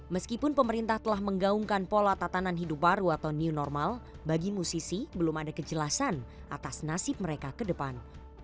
meskipun pemerintah telah menggaungkan pola tatanan hidup baru atau new normal bagi musisi belum ada kejelasan atas nasib mereka ke depan